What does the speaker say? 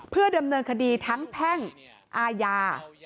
เพื่อดำเนินคดีทั้งแพ่งอาญา